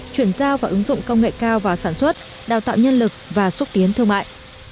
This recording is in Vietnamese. chuyển giao và ứng dụng công nghệ cao vào sản xuất đào tạo nhân lực và xúc tiến thương mại